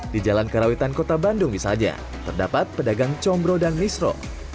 di jalan karawitan kota bandung misalnya terdapat pedagang combro dan misro